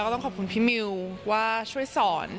ต้องขอบคุณพี่มิวว่าช่วยสอน